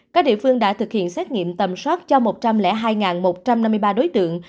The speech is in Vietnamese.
các địa phương đã thực hiện xét nghiệm tầm soát cho một trăm linh hai một trăm năm mươi ba đối tượng